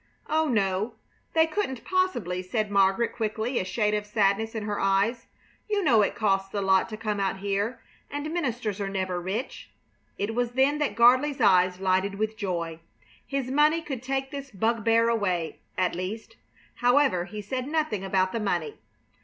"Oh no, they couldn't possibly," said Margaret, quickly, a shade of sadness in her eyes. "You know it costs a lot to come out here, and ministers are never rich." It was then that Gardley's eyes lighted with joy. His money could take this bugbear away, at least. However, he said nothing about the money.